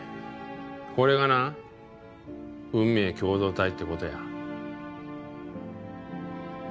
これがな運命共同体って事や。